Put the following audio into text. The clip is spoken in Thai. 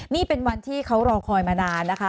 นี่เป็นวันที่เขารอคอยมานานนะคะ